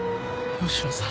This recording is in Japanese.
吉野さん！